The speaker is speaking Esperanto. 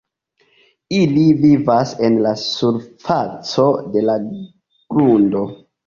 Ili vivas en la surfaco de la grundo.